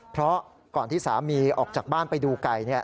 เพราะก่อนที่สามีออกจากบ้านไปดูไก่เนี่ย